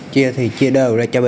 chia thì chia đều ra cho bé